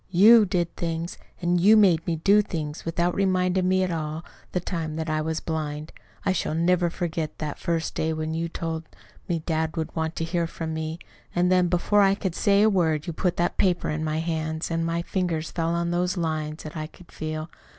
You did things, and you made me do things, without reminding me all the time that I was blind. I shall never forget that first day when you told me dad would want to hear from me; and then, before I could say a word, you put that paper in my hands, and my fingers fell on those lines that I could feel.